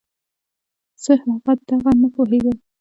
زه هغه دغه نه پوهېږم.